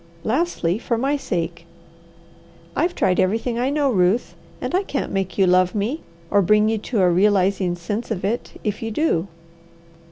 Lastly, for my sake. I've tried everything I know, Ruth, and I can't make you love me, or bring you to a realizing sense of it if you do.